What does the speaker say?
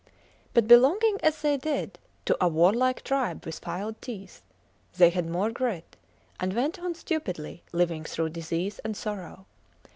But belonging, as they did, to a warlike tribe with filed teeth, they had more grit, and went on stupidly living through disease and sorrow.